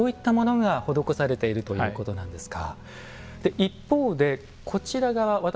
こういったものが施されているということなんですか。